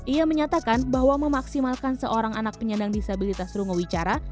ia menyatakan bahwa memaksimalkan seorang anak penyandang disabilitas rungu wicara